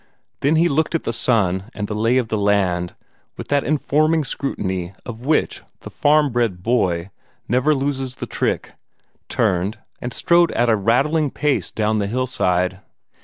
Then he looked at the sun and the lay of the land with that informing scrutiny of which the farm bred boy never loses the trick, turned, and strode at a rattling pace down the hillside.